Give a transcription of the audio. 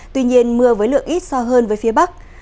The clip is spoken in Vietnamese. tuy nhiên mưa với lượng ít so với phía bắc